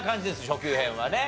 初級編はね。